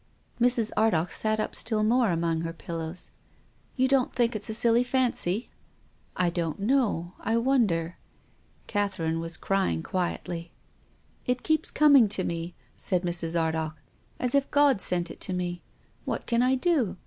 " Mrs. Ardagh sat up still more among her pillows. " You don't think it's a silly fancy? "" I don't know. I wonder." Catherine was crying quietly. " It keeps coming," said Mrs. Ardagh, " as if God sent it to me. What can I do